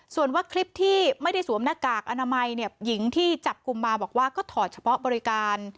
ส่วนว่าคลิปที่ไม่ได้สวมหน้ากากอนามัยเนี่ยหญิงที่จับกลุ่มมาบอกว่าก็ถอดเฉพาะบริการ